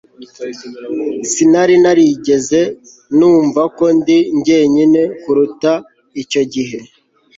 Sinari narigeze numva ko ndi jyenyine kuruta icyo gihe